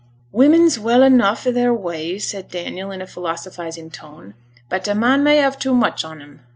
'Women's well enough i' their way,' said Daniel, in a philosophizing tone, 'but a man may have too much on 'em.